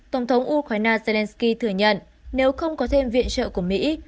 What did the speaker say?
tổng thống ukraine zelensky thừa nhận nếu không có thêm viện trợ của mỹ